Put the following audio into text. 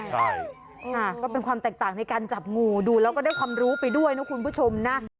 ใช่ก็เป็นความแตกต่างในการจับงูดูแล้วก็ได้ความรู้ไปด้วยนะคุณผู้ชมนะ